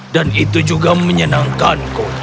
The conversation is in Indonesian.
dan itu juga menyenangkanku